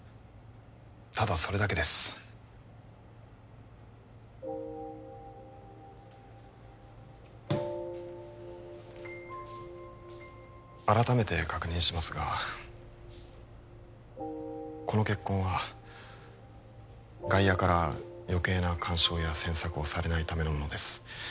ただそれだけです改めて確認しますがこの結婚は外野から余計な干渉や詮索をされないためのものです